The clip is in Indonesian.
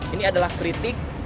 ini adalah kritik